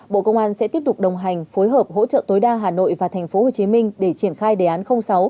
bộ công an sẽ tiếp tục đồng hành phối hợp hỗ trợ tối đa hà nội và tp hcm để triển khai đề án sáu